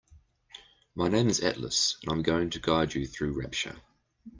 My name is Atlas and I'm going to guide you through Rapture.